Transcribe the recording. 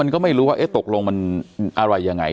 ก็ไม่รู้ว่าเอ๊ะตกลงมันอะไรยังไง